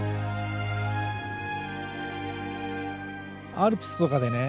アルプスとかでね